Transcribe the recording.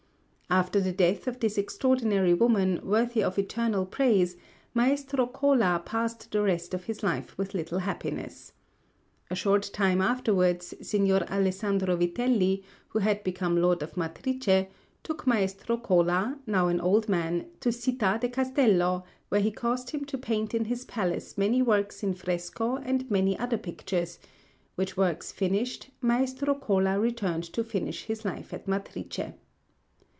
After the death of this extraordinary woman, worthy of eternal praise, Maestro Cola passed the rest of his life with little happiness. A short time afterwards, Signor Alessandro Vitelli, who had become Lord of Matrice, took Maestro Cola, now an old man, to Città di Castello, where he caused him to paint in his palace many works in fresco and many other pictures; which works finished, Maestro Cola returned to finish his life at Matrice.